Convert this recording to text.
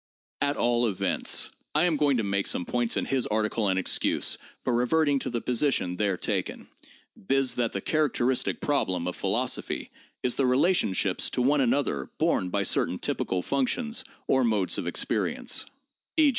At all events, I am going to make some points in his article an excuse for reverting to the position there taken, viz., that the characteristic problem of philosophy is the relationships to one another borne by certain typical functions or modes of experience, e.